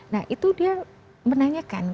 nah itu dia menanyakan